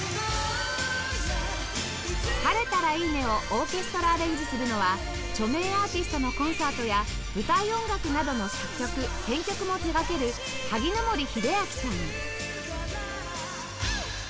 『晴れたらいいね』をオーケストラアレンジするのは著名アーティストのコンサートや舞台音楽などの作曲編曲も手掛ける萩森英明さん